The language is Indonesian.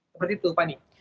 seperti itu pani